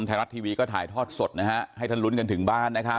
ไทยรัฐทีวีก็ถ่ายทอดสดนะฮะให้ท่านลุ้นกันถึงบ้านนะครับ